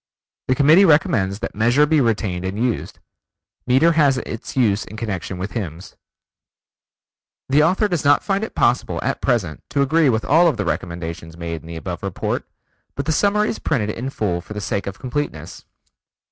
The Committee recommends that Measure be retained and used. Meter has its use in connection with hymns. The author does not find it possible at present to agree with all the recommendations made in the above report, but the summary is printed in full for the sake of completeness.